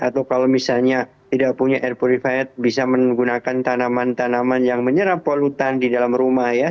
atau kalau misalnya tidak punya air purified bisa menggunakan tanaman tanaman yang menyerap polutan di dalam rumah ya